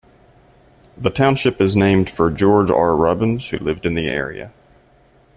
The township is named for George R. Robbins, who lived in the area.